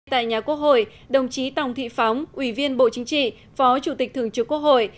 tại nhà quốc hội đồng chí tòng thị phóng ủy viên bộ chính trị phó chủ tịch thường trực quốc hội